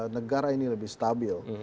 negara ini lebih stabil